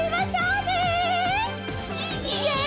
イエイ！